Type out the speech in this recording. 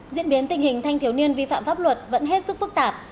diễn biến tình hình thanh thiếu niên vi phạm pháp luật vẫn hết sức phức tạp